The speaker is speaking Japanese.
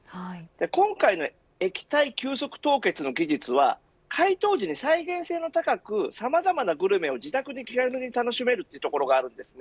今回の液体急速凍結の技術は解凍時に再現性の高くさまざまなグルメを自宅で気軽に楽しめるというところがあるんです。